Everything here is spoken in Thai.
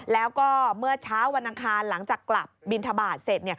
แล้วก็เมื่อเช้าวันอังคารหลังจากกลับบินทบาทเสร็จ